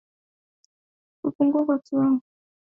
Kupungua kwa kiwango cha maziwa